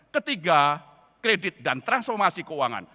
ketiga kredit dan transformasi keuangan